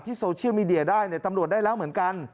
โซเชียลมีเดียได้เนี่ยตำรวจได้แล้วเหมือนกัน